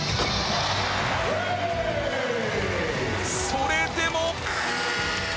それでも。